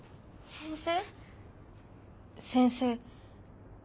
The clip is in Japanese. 先生。